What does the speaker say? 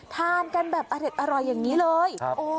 ทานกันแบบอเด็ดอร่อยอย่างนี้เลย